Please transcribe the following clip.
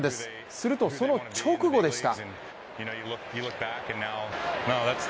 するとその直後でした。